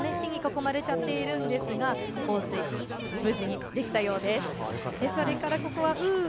熱いよと、火に囲まれちゃっているんですが放水、無事にできたようです。